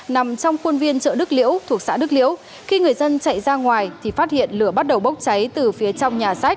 nằm trong khuôn viên chợ đức liễu thuộc xã đức liễu khi người dân chạy ra ngoài thì phát hiện lửa bắt đầu bốc cháy từ phía trong nhà sách